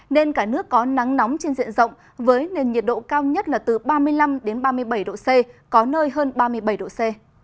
nên cả nước có nắng nóng trên diện rộng với nền nhiệt độ cao nhất là từ ba mươi năm ba mươi bảy độ c có nơi hơn ba mươi bảy độ c